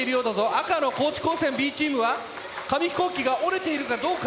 赤の高知高専Ｂチームは紙飛行機が折れているかどうか。